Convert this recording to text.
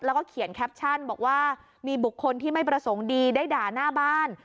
แล้วก็เขียนแคปชั่นบอกว่ามีบุคคลที่ไม่ประสงค์ดีได้ด่าหน้าบ้าน